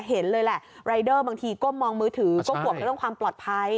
เห็นเลยแหละบางทีก็มองมือถือก็ปวดในเรื่องความปลอดภัย